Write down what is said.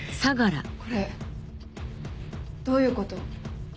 これどういうこと？